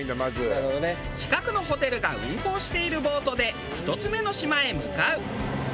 近くのホテルが運航しているボートで１つ目の島へ向かう。